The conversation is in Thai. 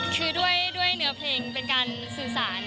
คือด้วยเนื้อเพลงเป็นการสื่อสาร